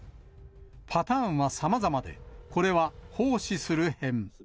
パターンはさまざまで、これは奉仕する編。